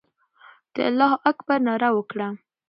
د الله اکبر ناره وکړه.